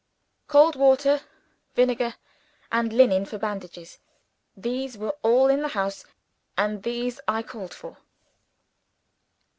Cold water, vinegar, and linen for bandages these were all in the house; and these I called for.